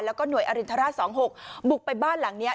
แล้วก็หน่วยอรินทราช๒๖บุกไปบ้านหลังนี้